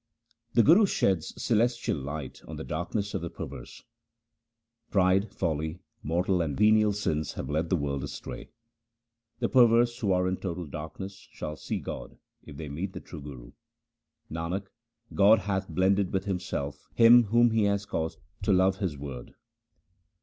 The Guru sheds celestial light on the darkness of the perverse :— Pride, folly, mortal and venial sins have led the world astray. The perverse who are in total darkness, shall see God if they meet the true Guru. Nanak, God hath blended with Himself him whom he caused to love His word.